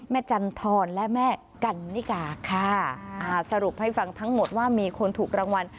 จันทรและแม่กันนิกาค่ะอ่าสรุปให้ฟังทั้งหมดว่ามีคนถูกรางวัล